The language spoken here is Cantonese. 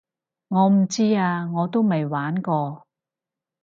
我唔知啊我都未玩過